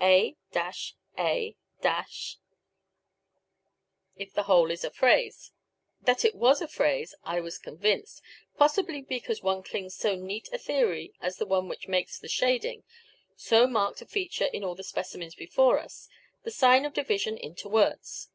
A a if the whole is a phrase. That it was a phrase I was convinced, possibly because one clings to so neat a theory as the one which makes the shading, so marked a feature in all the specimens before us, the sign of division into words.